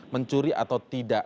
mencuri atau tidak